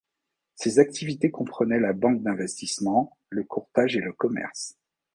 Ses activités comprenaient la banque d'investissement, le courtage et le commerce.